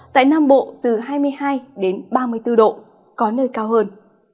tại nam bộ từ hai mươi hai ba mươi bốn độ có nơi cao hơn